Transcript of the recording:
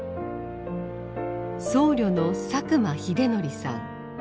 僧侶の佐久間秀範さん。